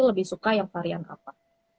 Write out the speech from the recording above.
lebih suka yang varian apa